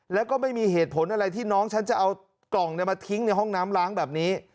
แล้วก็ไม่มีเหตุผลอะไรที่น้องฉันจะเอากล่องมาทิ้งในห้องน้ำล้างแบบนี้